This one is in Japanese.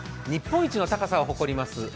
日本一の高さを誇ります